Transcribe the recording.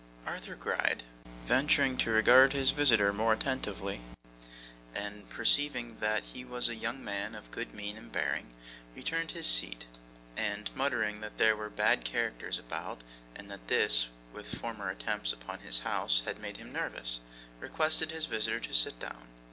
Arthur Gride, venturing to regard his visitor more attentively, and perceiving that he was a young man of good mien and bearing, returned to his seat, and muttering that there were bad characters about, and that this, with former attempts upon his house, had made him nervous, requested his visitor to sit down.